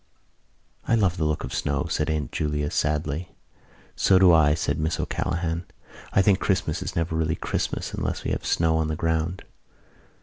"I love the look of snow," said Aunt Julia sadly. "So do I," said Miss O'Callaghan. "I think Christmas is never really Christmas unless we have the snow on the ground."